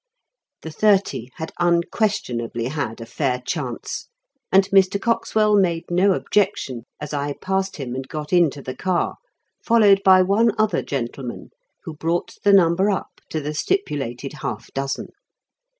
The Thirty had unquestionably had a fair chance, and Mr. Coxwell made no objection as I passed him and got into the car, followed by one other gentleman, who brought the number up to the stipulated half dozen.